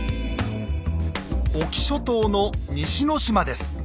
隠岐諸島の西ノ島です。